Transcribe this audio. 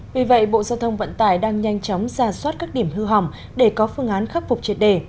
vì vậy bộ giao thông vận tải đang nhanh chóng ra soát các điểm hư hỏng để có phương án khắc phục triệt đề